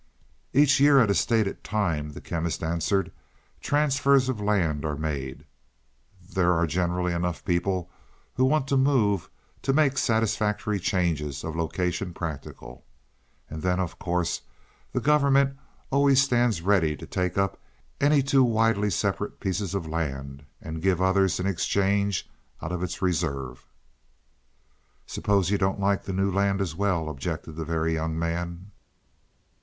"Each year at a stated time," the Chemist answered, "transfers of land are made. There are generally enough people who want to move to make satisfactory changes of location practical. And then of course, the government always stands ready to take up any two widely separate pieces of land, and give others in exchange out of its reserve." "Suppose you don't like the new land as well?" objected the Very Young Man.